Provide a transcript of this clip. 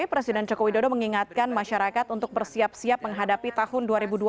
presiden joko widodo mengingatkan masyarakat untuk bersiap siap menghadapi tahun dua ribu dua puluh